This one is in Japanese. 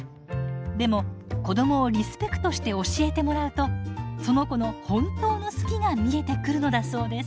でも子どもをリスペクトして教えてもらうとその子の本当の「好き」が見えてくるのだそうです。